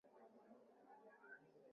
Mpenzi wa Aisha amemwacha.